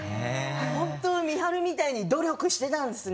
本当に美晴みたいに努力していたんですね。